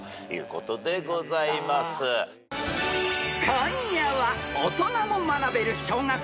［今夜は］